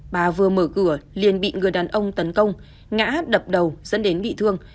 bà vừa mở cửa liền bị người đàn ông tấn công ngã đập đầu dẫn đến bị thương